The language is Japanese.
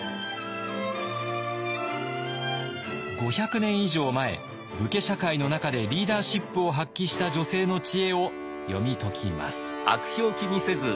５００年以上前武家社会の中でリーダーシップを発揮した女性の知恵を読み解きます。